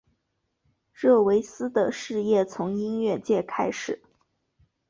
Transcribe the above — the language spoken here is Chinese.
热维斯的事业从音乐界开始。